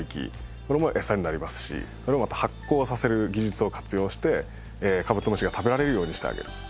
これも餌になりますし発酵させる技術を活用してカブトムシが食べられるようにしてあげる。